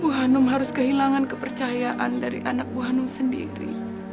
ibu hanum harus kehilangan kepercayaan dari anak buah hanum sendiri